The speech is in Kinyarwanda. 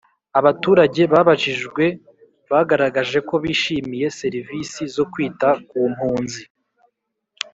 Abaturage babajijwe bagaragaje ko bishimiye serivisi zo kwita ku mpunzi